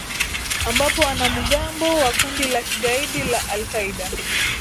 ambapo wanamugambo wa kundi la kigaidi la alqaeda